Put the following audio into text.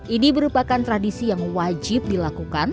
ini merupakan tradisi yang wajib dilakukan